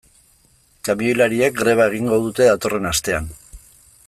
Kamioilariek greba egingo dute datorren astean.